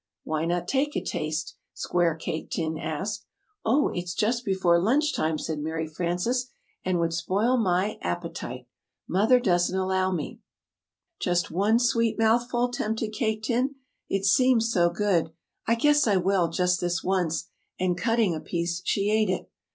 "Why not take a taste?" Square Cake Tin asked. "Oh, it's just before lunch time," said Mary Frances, "and would spoil my ap pe tite. Mother doesn't allow me " "Just one sweet mouthful?" tempted Cake Tin. "It seems so good. I guess I will just this once," and cutting a piece, she ate it.